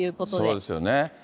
そうですよね。